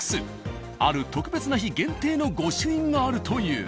ある特別な日限定の御朱印があるという。